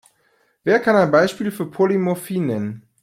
Wer kann ein Beispiel für Polymorphie nennen?